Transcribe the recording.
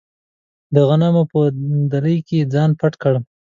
د غنمو په دلۍ کې یې ځان پټ کړ.